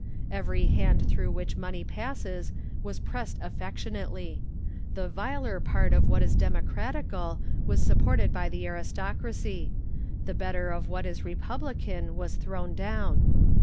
Every hand through which money passes was pressed allbctionatcly. The vilur part of what is deniocraticul was 1 48 /MA GIN A R Y CONVERSA T/OJVS. supported by the aristocracy ; the better of what is repub lican was thrown down.